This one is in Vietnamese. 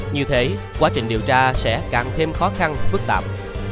như thế quá trình điều tra sẽ càng thêm khó khăn phức tạp